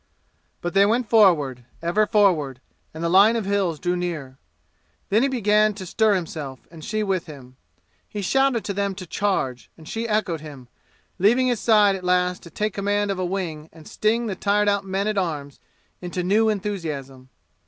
But they went forward ever forward and the line of hills drew near. Then he began to stir himself, and she with him. He shouted to them to charge, and she echoed him, leaving his side at last to take command of a wing and sting the tired out men at arms into new enthusiasm.